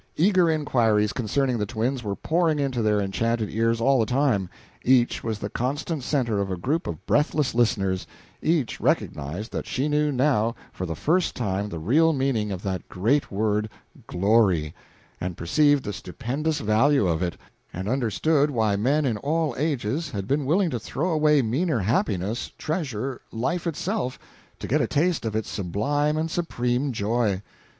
Eager inquiries concerning the twins were pouring into their enchanted ears all the time; each was the constant center of a group of breathless listeners; each recognized that she knew now for the first time the real meaning of that great word Glory, and perceived the stupendous value of it, and understood why men in all ages had been willing to throw away meaner happinesses, treasure, life itself, to get a taste of its sublime and supreme joy.